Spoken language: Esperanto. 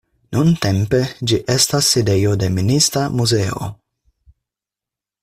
Nuntempe ĝi estas sidejo de Minista muzeo.